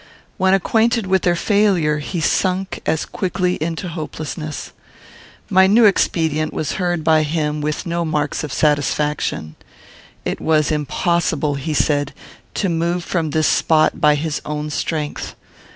When acquainted with their failure, he sunk as quickly into hopelessness. My new expedient was heard by him with no marks of satisfaction. It was impossible, he said, to move from this spot by his own strength.